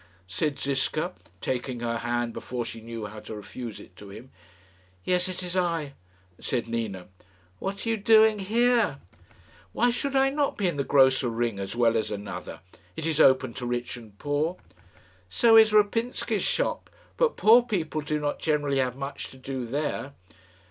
said Ziska, taking her hand before she knew how to refuse it to him. "Yes; it is I," said Nina. "What are you doing here?" "Why should I not be in the Grosser Ring as well as another? It is open to rich and poor." "So is Rapinsky's shop; but poor people do not generally have much to do there."